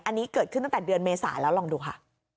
อันนี้เกิดขึ้นตั้งแต่เดือนเมษาแล้วลองดูค่ะ